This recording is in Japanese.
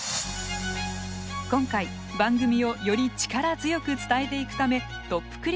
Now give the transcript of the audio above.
今回番組をより力強く伝えていくためトップ